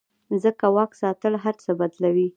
ځکه واک ساتل هر څه بدلوي.